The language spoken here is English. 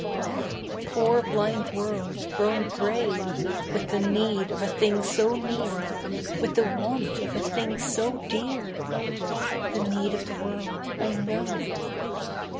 Oh! poor blind world grown grey With the need of a thing so near, With the want of a thing so dear. The need of the world I know.